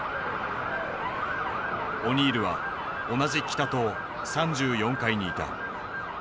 オニールは同じ北棟３４階にいた。